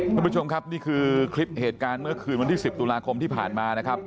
คุณผู้ชมครับนี่คือคลิปเหตุการณ์เมื่อคืนวันที่๑๐ตุลาคมที่ผ่านมานะครับ